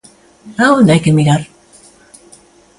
A onde hai que mirar?